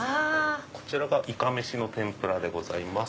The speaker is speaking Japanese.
こちらがイカメシの天ぷらでございます。